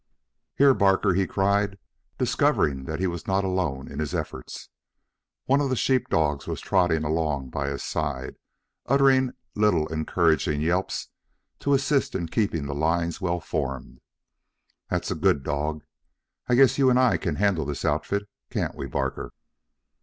"Here, Barker," he cried, discovering that he was not alone in his efforts. One of the sheep dogs was trotting along by his side, uttering little encouraging yelps to assist in keeping the lines well formed. "That's a good dog. I guess you and I can handle this outfit, can't we, Barker?"